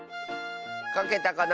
かけたかな？